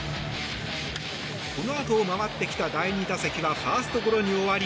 このあと回ってきた第２打席はファーストゴロに終わり